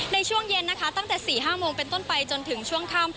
ในช่วงเย็นนะคะตั้งแต่๔๕โมงเป็นต้นไปจนถึงช่วงค่ำ